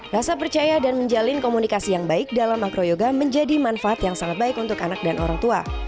rasa percaya dan menjalin komunikasi yang baik dalam acroyoga menjadi manfaat yang sangat baik untuk anak dan orang tua